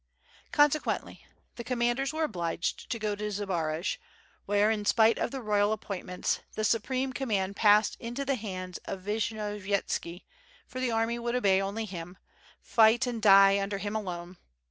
Consequently, the commanders were obliged to go to Zbaraj, where in spite of the royal appointments, the su preme command passed into the hands of Vishnyovyetski; for the army would obey only him, fight and ie under him alone.